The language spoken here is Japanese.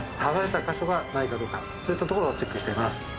剥がれた箇所がないかどうかそういったところをチェックしています